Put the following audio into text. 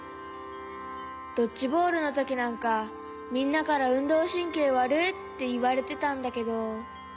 ドッジボールのときなんかみんなから「うんどうしんけいわるっ！」っていわれてたんだけど。